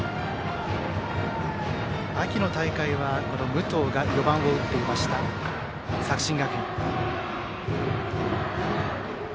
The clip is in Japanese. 秋の大会は武藤が４番を打っていました、作新学院。